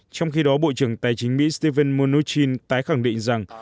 trong khi đó bộ trưởng tài chính mỹ stephen mnuchin tái khẳng định rằng